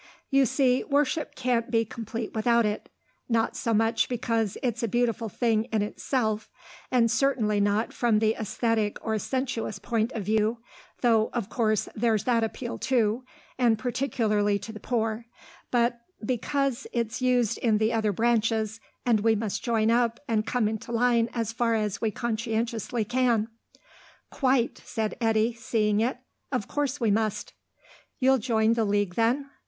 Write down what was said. "You see, worship can't be complete without it not so much because it's a beautiful thing in itself, and certainly not from the æsthetic or sensuous point of view, though of course there's that appeal too, and particularly to the poor but because it's used in the other branches, and we must join up and come into line as far as we conscientiously can." "Quite," said Eddy, seeing it. "Of course we must." "You'll join the Guild, then?"